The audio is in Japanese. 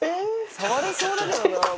触れそうだけどな。